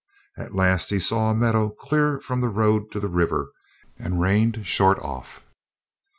At last he saw a meadow clear from the road to the river and reined short off.